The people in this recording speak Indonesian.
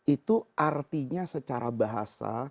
itu artinya secara bahasa